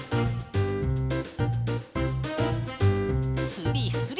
スリスリ。